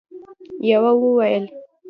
يوه وويل: